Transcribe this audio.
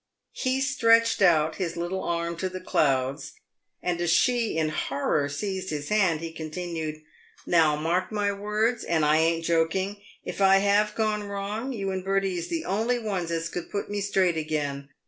He stretched out his little arm to the clouds, and as she, in horror, seized his hand, he continued :" Now mark my words — and I ain't joking — if I have gone wrong, you and Bertie is the only ones as could put me straight again.